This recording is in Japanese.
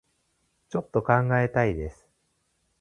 ちょっと考えたいです